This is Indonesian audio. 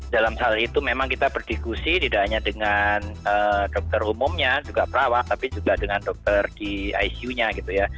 dalam hal itu memang kita berdiskusi tidak hanya dengan dokter umumnya juga perawat tapi juga dengan dokter di icu nya gitu ya